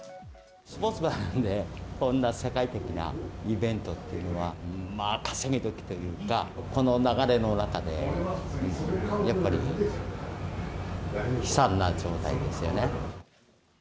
スポーツバーなので、こんな世界的なイベントっていうのは、まあ稼ぎどきというか、この流れの中で、やっぱり悲惨な状態ですよね。